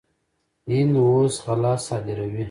هند اوس غله صادروي.